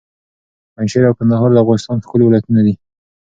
پنجشېر او کندهار د افغانستان ښکلي ولایتونه دي.